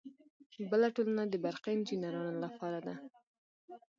بله ټولنه د برقي انجینرانو لپاره ده.